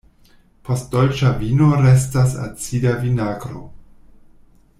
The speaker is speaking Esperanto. Post dolĉa vino restas acida vinagro.